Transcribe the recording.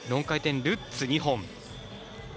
４回転ルッツ２本。